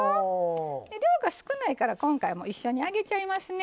量が少ないから今回、一緒に揚げちゃいますね。